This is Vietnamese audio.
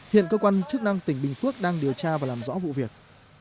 hiện cơ quan chức năng tỉnh bình phước đang điều tra và làm rõ vụ việc